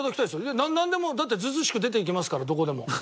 なんでもだってずうずうしく出て行けますからどこでも。